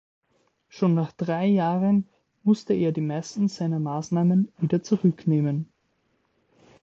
Schon nach drei Jahren musste er die meisten seiner Maßnahmen wieder zurücknehmen.